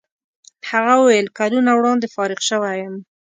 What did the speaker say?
هغه وویل کلونه وړاندې فارغ شوی یم.